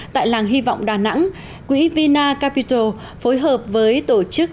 tại làng hy vọng đà nẵng quỹ vina capital phối hợp với tổ chức